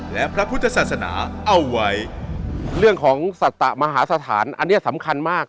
และพระพุทธศาสนาเอาไว้เรื่องของสัตมหาสถานอันนี้สำคัญมาก